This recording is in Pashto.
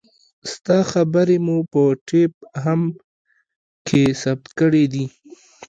ستا خبرې مو په ټېپ هم کښې ثبت کړې دي.